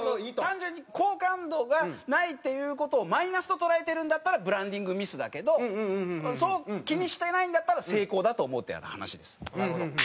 単純に好感度がないっていう事をマイナスと捉えてるんだったらブランディングミスだけどそう気にしてないんだったら成功だと思うっていうような話です。